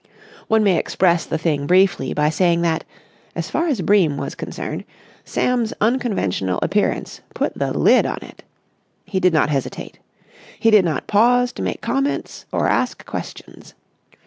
One may express the thing briefly by saying that, as far as Bream was concerned, Sam's unconventional appearance put the lid on it. He did not hesitate. He did not pause to make comments or ask questions.